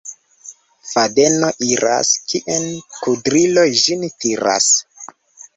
Fadeno iras, kien kudrilo ĝin tiras.